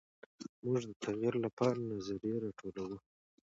موږ د تغیر لپاره نظریې راټولوو.